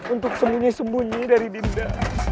untuk sembunyi sembunyi dari dinda